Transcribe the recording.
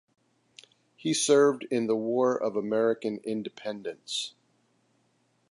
He served in the War of American Independence.